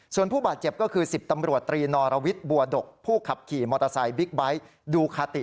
ส่วนผู้บาดเจ็บก็คือ๑๐ตำรวจตรีนอรวิทย์บัวดกผู้ขับขี่มอเตอร์ไซค์บิ๊กไบท์ดูคาติ